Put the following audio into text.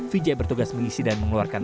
vijay bertugas mengisi dan mengeluarkan